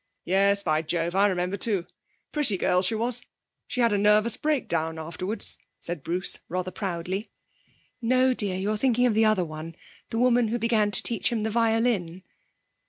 'Yes, by Jove, I remember too. Pretty girl she was. She had a nervous breakdown afterwards,' said Bruce rather proudly. 'No, dear; you're thinking of the other one the woman who began to teach him the violin.'